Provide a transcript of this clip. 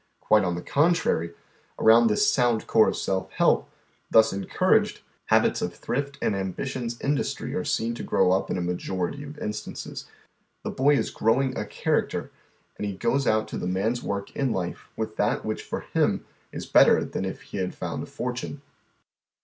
Quite on the contrary, around this sound core of self help, thus encouraged, habits of thiift and ambitions industry are seen to grow up in a majority of instances. The boy is "growing" a character, and he goes out to the man's work in life with that which for him is better than if he had found a fortune.